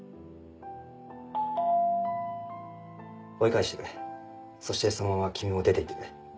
追い返してくれそしてそのまま君も出て行ってくれ。